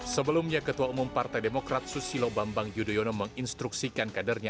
sebelumnya ketua umum partai demokrat susilo bambang yudhoyono menginstruksikan kadernya